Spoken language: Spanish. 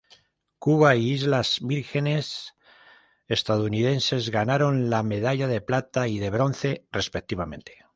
Cuba y Islas Vírgenes Estadounidenses ganaron la medalla de plata y de bronce, respectivamente.